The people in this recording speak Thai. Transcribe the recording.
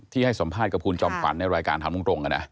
ให้สัมภาษณ์กับคุณจอมขวัญในรายการถามตรง